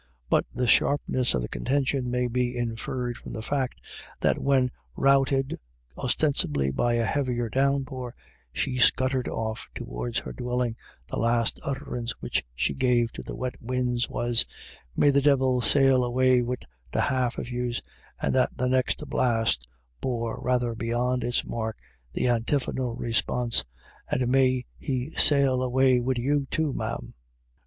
But the sharpness of the contention may be inferred from the fact that ioi IRISH IDYLLS. when, routed ostensibly by a heavier downpour, she scuttered off towards her dwelling, the last utterance which she gave to the wet winds was :" May the divil sail away wid the half of yous ;" and that the next blast bore, rather beyond its mark, the antiphonal response :" And may he sail away wid you, too, ma'am."